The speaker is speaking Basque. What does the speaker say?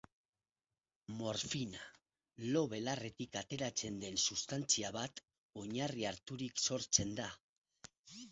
Morfina, lo-belarretik ateratzen den sustantzia bat, oinarri harturik sortzen da.